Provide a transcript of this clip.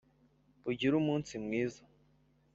ugire umunsi mwiza